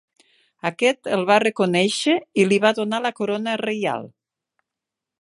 Aquest el va reconèixer i li va donar la corona reial.